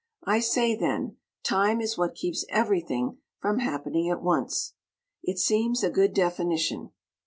I say, then, "Time is what keeps everything from happening at once." It seems a good definition.